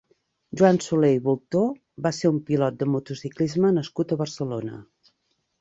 Joan Soler i Bultó va ser un pilot de motociclisme nascut a Barcelona.